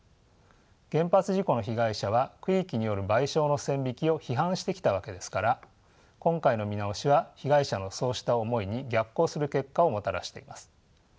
原発事故の被害者は区域による賠償の線引きを批判してきたわけですから今回の見直しは被害者のそうした思いに逆行する結果をもたらしています。